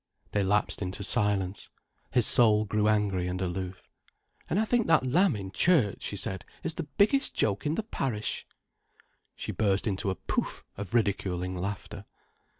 They lapsed into silence. His soul grew angry and aloof. "And I think that Lamb in Church," she said, "is the biggest joke in the parish——" She burst into a "Pouf" of ridiculing laughter.